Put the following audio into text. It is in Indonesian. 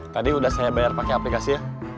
tadi udah saya bayar pakai aplikasi ya